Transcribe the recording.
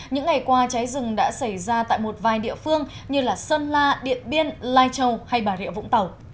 những ngày qua cháy rừng đã xảy ra tại một vài địa phương như sơn la điện biên lai châu hay bà rịa vũng tàu